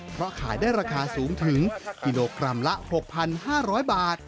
เพราะขายได้ราคาสูงถึงกิโลกรัมละ๖๕๐๐บาท